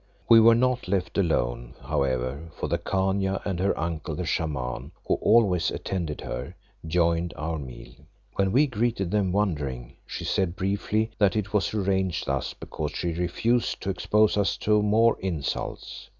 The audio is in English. We were not left alone, however, for the Khania and her uncle, the Shaman, who always attended her, joined our meal. When we greeted them wondering, she said briefly that it was arranged thus because she refused to expose us to more insults.